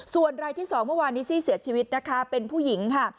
ส่วนรายที่๒เมื่อวานนี้ซี่เสียชีวิตนะคะเป็นผู้หญิงค่ะ